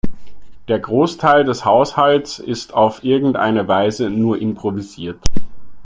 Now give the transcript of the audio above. Der Großteil des Haushalts ist auf irgendeine Weise nur improvisiert.